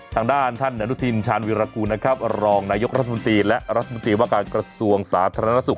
ทางด้านท่านอนุทินชาญวิรากูลนะครับรองนายกรัฐมนตรีและรัฐมนตรีว่าการกระทรวงสาธารณสุข